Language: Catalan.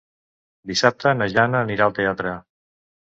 Dissabte na Jana anirà al teatre.